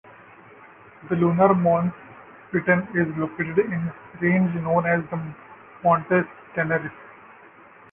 The lunar Mons Piton is located in a range known as the Montes Teneriffe.